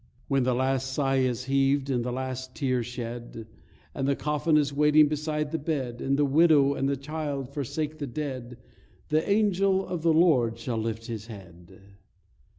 3 When the last sigh is heaved and the last tear shed, And the coffin is waiting beside the bed, And the widow and the child forsake the dead, The angel of the Lord shall lift this head.